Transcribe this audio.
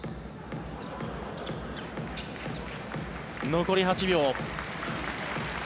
残り８秒。